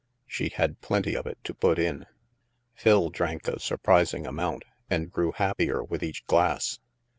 She had plenty of it to put in. Phil drank a surprising amount, and grew happier with each glass.